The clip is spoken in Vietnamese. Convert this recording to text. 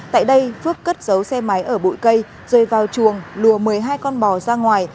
tại đây phước cất dấu xe máy ở bụi cây rơi vào chuồng lùa một mươi hai con bò ra ngoài